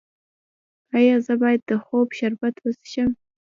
ایا زه باید د خوب شربت وڅښم؟